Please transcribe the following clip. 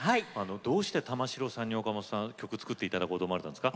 どうして玉城さんに岡本さん、曲を作っていただこうと思ったんですか？